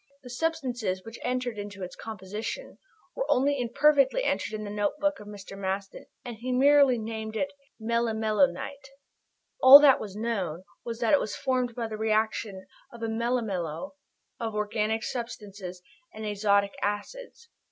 The substances which entered into its composition were only imperfectly entered in the notebook of Mr. Maston, and he merely named it "melimelonite." All that was known was that it was formed by the reaction of a melimelo of organic substances and azotic acids.